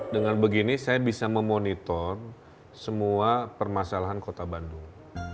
dengan begini saya bisa memonitor semua permasalahan kota bandung